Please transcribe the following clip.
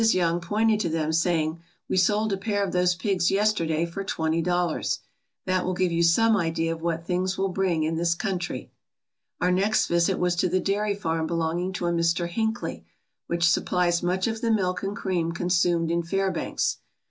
Young pointed to them, saying, "We sold a pair of those pigs yesterday for twenty dollars. That will give you some idea of what things will bring in this country/' Our next visit was to the dairy farm belonging to a Mr. Hinckley, which supplies much of the milk and cream consumed in Fairbanks.